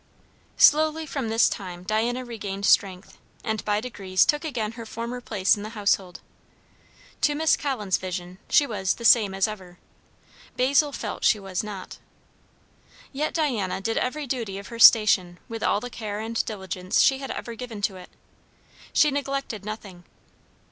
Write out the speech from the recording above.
Slowly from this time Diana regained strength, and by degrees took again her former place in the household. To Miss Collins' vision she was "the same as ever." Basil felt she was not. Yet Diana did every duty of her station with all the care and diligence she had ever given to it. She neglected nothing.